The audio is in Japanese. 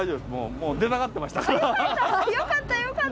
もう出たがってましたから。